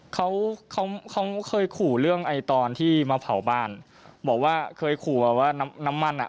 เขาเขาเคยขู่เรื่องไอ้ตอนที่มาเผาบ้านบอกว่าเคยขู่ว่าน้ำน้ำมันอ่ะ